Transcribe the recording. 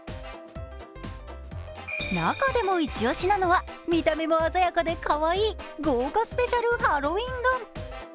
中でもイチ押しなのは見た目も鮮やかでかわいい豪華スペシャルハロウィン丼。